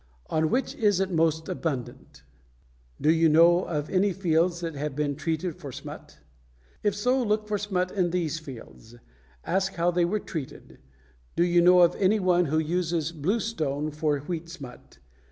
On which is it most abundant? Do you know of any fields that have been treated for smut? If so, look for smut in these fields. Ask how they were treated. Do you know of any one who uses bluestone for wheat smut?